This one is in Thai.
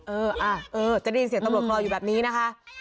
เออจะได้ยินเสียงตำรวจคลออยู่แบบนี้นะคะ